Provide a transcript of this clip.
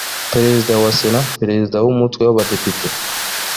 perezida wa sena perezida w umutwe w abadepite